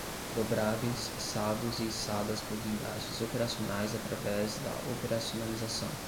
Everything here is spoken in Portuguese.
Dobráveis, içados e içadas por guindastes operacionais através da operacionalização